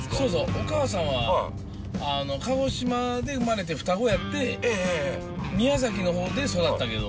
お母さんは鹿児島で生まれて双子やって宮崎のほうで育ったけど。